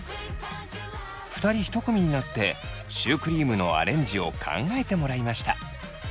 ２人１組になってシュークリームのアレンジを考えてもらいました。